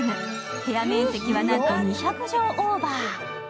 部屋面積は、なんと２００畳オーバー。